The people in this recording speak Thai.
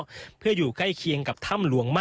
อันนี้คือเต็มร้อยเปอร์เซ็นต์แล้วนะครับ